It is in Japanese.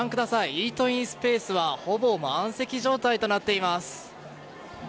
イートインスペースはほぼ満席状態となっています。